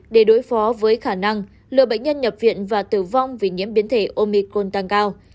để đối phó với khả năng lừa bệnh nhân nhập viện và tử vong vì nhiễm biến thể omicon tăng cao